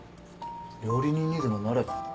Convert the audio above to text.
料理人にでもなれば？